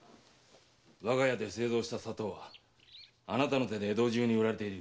我が家で製造した砂糖はあなたの手で江戸中に売られている。